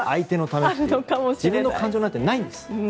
自分の感情なんてないんです。